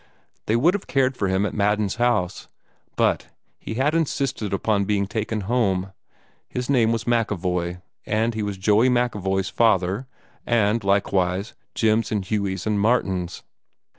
They would have cared for him at Madden's house, but he had insisted upon being taken home. His name was MacEvoy, and he was Joey MacEvoy's father, and likewise Jim's and Hughey's and Martin's.